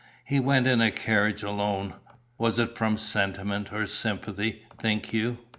He went in a carriage alone. Was it from sentiment, or sympathy, think you?"